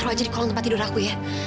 taruh aja di kolam tempat tidur aku ya